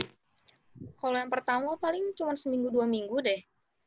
kalo yang pertama paling cuman seminggu dua minggu deh